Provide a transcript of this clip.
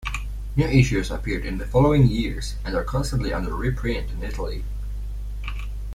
New issues appeared in the following years, and are constantly under reprint in Italy.